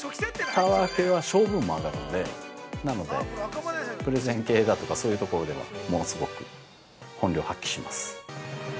タワー系は勝負運も上がるのでなので、プレゼン系だとかそういうところでは物すごく本領を発揮します。